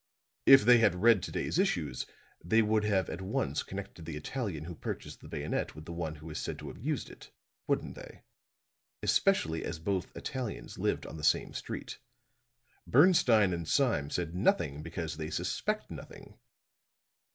"If they had read to day's issues they would have at once connected the Italian who purchased the bayonet with the one who is said to have used it wouldn't they; especially as both Italians lived on the same street? Bernstine and Sime said nothing because they suspect nothing.